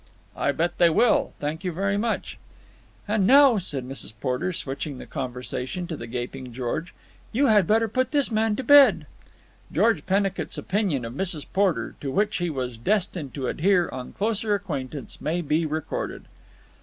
"I bet they will. Thank you very much." "And now," said Mrs. Porter, switching the conversation to the gaping George, "you had better put this man to bed." George Pennicut's opinion of Mrs. Porter, to which he was destined to adhere on closer acquaintance, may be recorded.